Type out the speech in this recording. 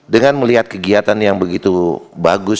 dengan melihat kegiatan yang begitu bagus